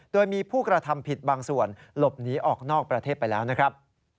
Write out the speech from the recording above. โดยมีผู้กระทำผิดบางส่วนหลบหนีออกนอกประเทศไปแล้วนะครับ